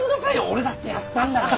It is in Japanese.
俺だってやったんだから。